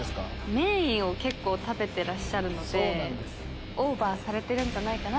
メインを結構食べてらっしゃるのでオーバーされてるんじゃないかな。